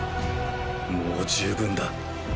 もう十分だ。